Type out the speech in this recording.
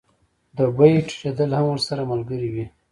د بیو ټیټېدل هم ورسره ملګري وي